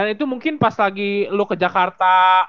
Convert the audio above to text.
dan itu mungkin pas lagi lo ke jakarta